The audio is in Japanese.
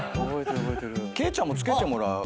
ケイちゃんも付けてもらう？